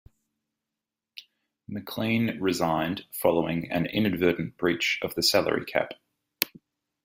McLean resigned following an inadvertent breach of the salary cap.